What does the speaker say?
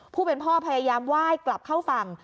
ผู้เป็นพ่อพยายามไหว้กลับเข้าฝั่ง